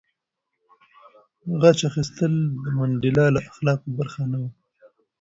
غچ اخیستل د منډېلا د اخلاقو برخه نه وه.